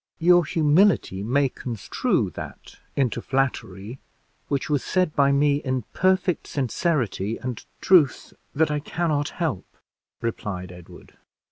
"Your humility may construe that into flattery which was said by me in perfect sincerity and truth that I can not help," replied Edward.